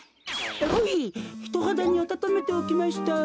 ほいひとはだにあたためておきました。